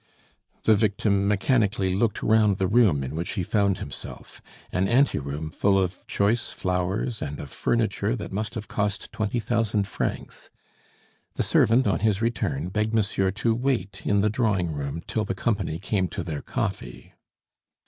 The victim mechanically looked round the room in which he found himself an anteroom full of choice flowers and of furniture that must have cost twenty thousand francs. The servant, on his return, begged monsieur to wait in the drawing room till the company came to their coffee.